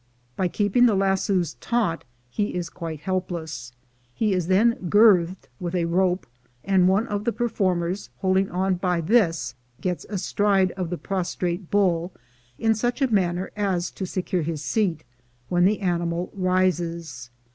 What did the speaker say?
By keeping the lassoes taut, he is quite helpless. He is then girthed with a rope, and one of the performers, holding on by this gets astride of the prostrate bull in such a way as to secure his seat, when the ani mal rises.